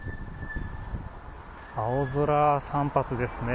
青空散髪ですね。